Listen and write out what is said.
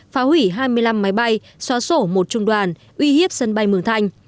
phá hủy hai mươi năm máy bay xóa sổ một trung đoàn uy hiếp sân bay mường thanh